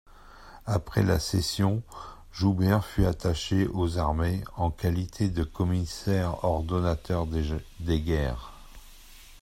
Après la session, Joubert fut attaché aux armées en qualité de commissaire-ordonnateur des guerres.